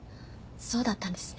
そうだったんですね。